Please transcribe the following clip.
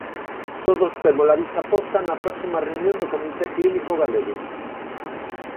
Todos temos a vista posta na próxima reunión do comité clínico galego.